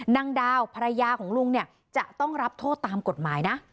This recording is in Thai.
นางดาวภรรยาของลุงเนี่ยจะต้องรับโทษตามกฎหมายนะ